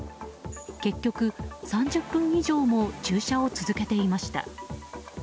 結局、３０分以上も駐車を続けていました。